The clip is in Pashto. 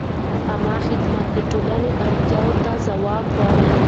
عامه خدمت د ټولنې اړتیاوو ته ځواب وايي.